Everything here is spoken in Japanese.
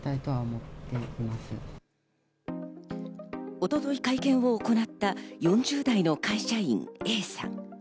一昨日、会見を行った４０代の会社員Ａさん。